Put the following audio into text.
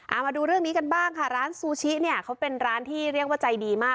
เอามาดูเรื่องนี้กันบ้างค่ะร้านซูชิเนี่ยเขาเป็นร้านที่เรียกว่าใจดีมาก